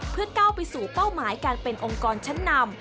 เพื่อก้าวไปสู่เป้าหมายการเป็นองค์กรชั้นนำ